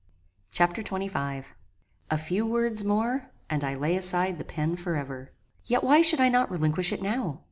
Chapter XXV A few words more and I lay aside the pen for ever. Yet why should I not relinquish it now?